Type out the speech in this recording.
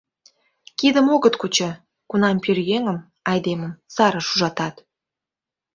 Кидым огыт кучо, кунам пӧръеҥым... айдемым... сарыш ужатат...